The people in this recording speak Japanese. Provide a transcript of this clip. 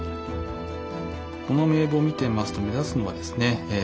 この名簿を見てますと目立つのはですね